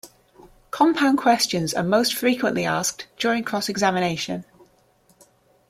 Compound questions are most frequently asked during cross-examination.